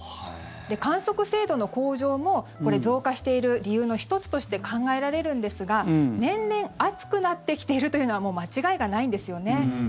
観測精度の向上もこれ、増加している理由の１つとして考えられるんですが年々暑くなってきているというのはもう間違いがないんですよね。